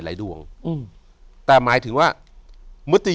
อยู่ที่แม่ศรีวิรัยิลครับ